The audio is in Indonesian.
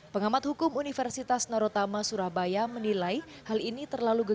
pengamat hukum universitas narotama surabaya menilai hal ini terlalu gegabah